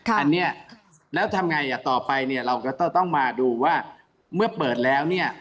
อันนี้แล้วทำไงต่อไปเนี่ยเราก็ต้องมาดูว่าเมื่อเปิดแล้วเนี่ย